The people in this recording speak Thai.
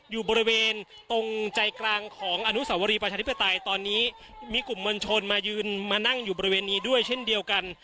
อยู่บริเวณตรงใจกลางของอนุสาวรีประชาธิปไตยตอนนี้มีกลุ่มมวลชนมายืนมานั่งอยู่บริเวณนี้ด้วยเช่นเดียวกัน